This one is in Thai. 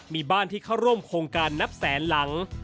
มีบ้านที่เข้าร่วมโครงการนับแสนหลัง